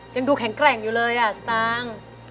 ยังดูแข็งแกร่งอยู่เลยอ่ะสตางค์